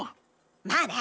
まあね。